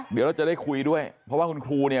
เดี๋ยวเราจะได้คุยด้วยเพราะว่าคุณครูเนี่ย